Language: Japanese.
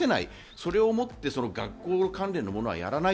それを持って、学校関連のものをやらない。